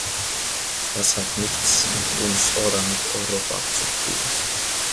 Das hat nichts mit uns oder mit Europa zu tun.